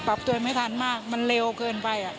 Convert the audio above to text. ตัวไม่ทันมากมันเร็วเกินไป